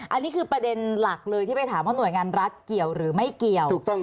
อันนี้คือประเด็นหลักเลยที่ไปถามว่าหน่วยงานรัฐเกี่ยวหรือไม่เกี่ยว